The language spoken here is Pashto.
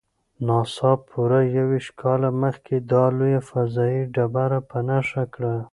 ناسا پوره یوویشت کاله مخکې دا لویه فضايي ډبره په نښه کړه.